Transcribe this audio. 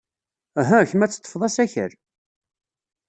Uhu, kemm ad teḍḍfed asakal.